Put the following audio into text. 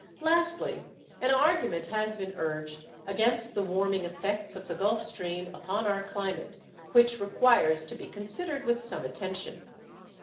Lastly, an argument has been urged against the warming effects of the Gulf Stream upon our climate which requires to be considered with some attention.